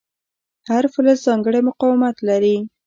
هر فلز ځانګړی مقاومت لري.